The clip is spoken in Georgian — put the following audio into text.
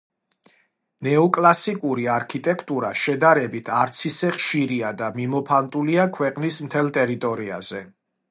ნეოკლასიკური არქიტექტურა შედარებით არც ისე ხშირია და მიმოფანტულია ქვეყნის მთელს ტერიტორიაზე.